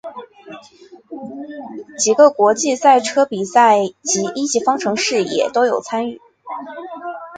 几个国际赛车比赛及一级方程式也都有参与。